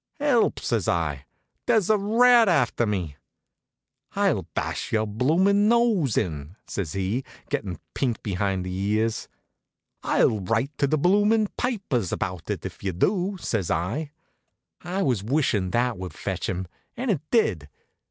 "Help!" says I. "There's a rat after me." "Hi'll bash yer bloomin' nose in!" says he, gettin' pink behind the ears. "Hi'll write to the bloomin' pypers habout it if you do," says I. I was wishin' that would fetch him, and it did.